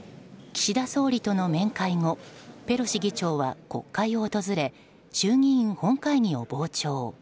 岸田総理との面会後ペロシ議長は国会を訪れ衆議院本会議を傍聴。